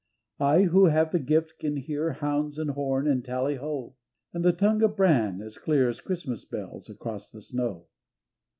I who 'have the gift can hear Hounds and horn and tally ho, And the tongue of Bran as clear As Christmas bells across the snow.